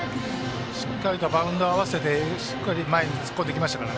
しっかりとバウンドを合わせて前に突っ込んできましたから。